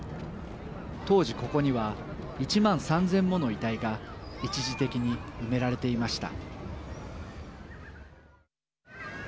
当時ここには１万３０００もの遺体が一時的に埋められていました。